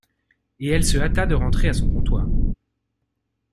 Et elle se hâta de rentrer à son comptoir.